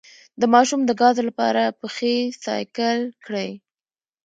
د ماشوم د ګاز لپاره پښې سایکل کړئ